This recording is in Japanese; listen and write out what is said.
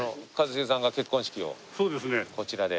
一茂さんが結婚式をこちらで。